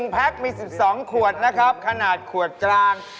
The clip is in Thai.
แพ็คมี๑๒ขวดนะครับขนาดขวดกลาง